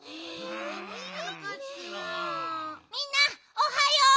みんなおはよう。